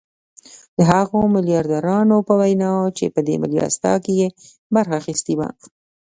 د هغو ميلياردرانو په وينا چې په دې مېلمستيا کې يې برخه اخيستې وه.